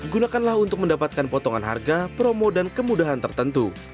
gunakanlah untuk mendapatkan potongan harga promo dan kemudahan tertentu